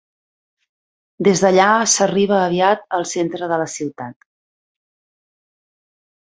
Des d'allà s'arriba aviat al centre de la ciutat.